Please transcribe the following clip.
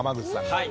はい。